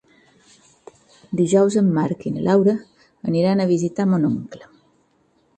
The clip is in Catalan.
Dijous en Marc i na Laura aniran a visitar mon oncle.